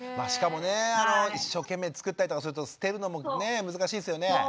しかもね一生懸命作ったりとかすると捨てるのもね難しいですよね。